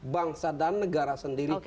bangsa dan negara sendiri